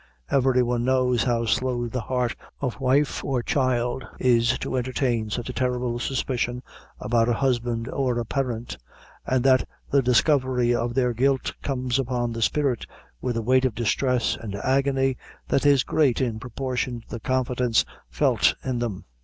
Every one knows how slow the heart of wife or child is to entertain such a terrible suspicion against a husband or a parent, and that the discovery of their guilt comes upon the spirit with a weight of distress and agony that is great in proportion to the confidence felt in them.